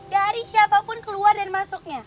dari siapapun keluar dan masuknya